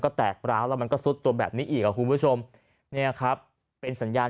แตกร้าวแล้วมันก็ซุดตัวแบบนี้อีกอ่ะคุณผู้ชมเนี่ยครับเป็นสัญญาณ